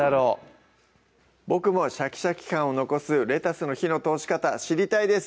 僕もシャキシャキ感を残すレタスの火の通し方知りたいです